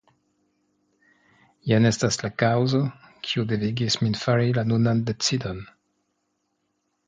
Jen estas la kaŭzo, kiu devigis min fari la nunan decidon.